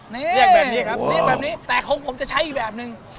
เรียกแบบนี้ครับเรียกแบบนี้แต่ของผมจะใช้อีกแบบนึง